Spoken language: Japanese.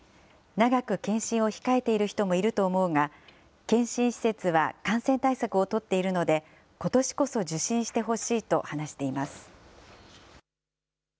長く検診を控えている人もいると思うが検診施設は感染対策を取っているのでことしこそ受診してほしいと話しています。